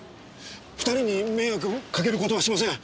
２人に迷惑をかける事はしません！